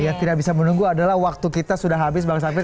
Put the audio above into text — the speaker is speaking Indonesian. yang tidak bisa menunggu adalah waktu kita sudah habis bang safir